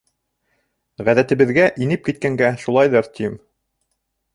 Ғәҙәтебеҙгә инеп киткәнгә шулайҙыр, тим.